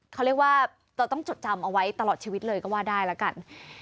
เขาเรียกว่าเราต้องจดจำเอาไว้ตลอดชีวิตเลยก็ว่าได้แล้วกัน